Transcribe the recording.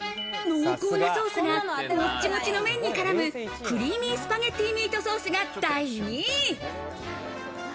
濃厚なソースがモチモチの麺に絡む「クリーミースパゲッティ、ミートソース」が第２位。